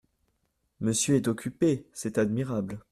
Monsieur est occupé ! c’est admirable !